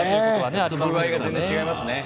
風合いが全然違いますね。